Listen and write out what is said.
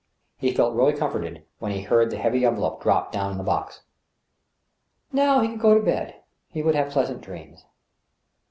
He felt really comforted when he heard the heavy envelope drop down in the box. Now he could go tb bed. He would have pleasant dreams.